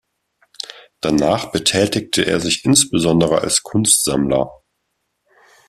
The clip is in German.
Danach betätigte er sich insbesondere als Kunstsammler.